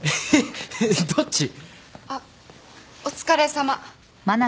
あっお疲れさま。